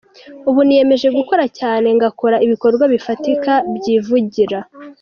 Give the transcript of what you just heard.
Ubu niyemeje gukora cyane, ngakora ibikorwa bifatika byivugira,.